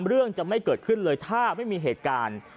เรื่องจะไม่เกิดขึ้นเลยถ้าไม่มีเหตุการณ์